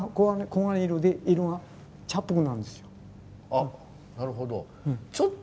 あなるほど。